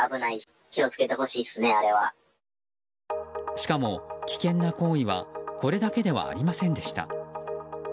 しかも、危険な行為はこれだけではありませんでした。